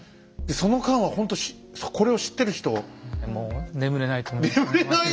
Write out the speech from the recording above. その間はほんとこれを知ってる人。